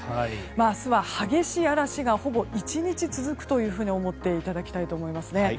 明日は激しい嵐がほぼ１日続くと思っていただきたいと思います。